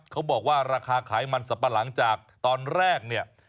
เขาบอกว่าราคาขายมันสับปะหลังจากตอนแรกเนี่ย